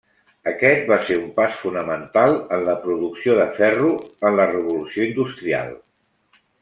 Aquest va ser un pas fonamental en la producció de ferro en la Revolució Industrial.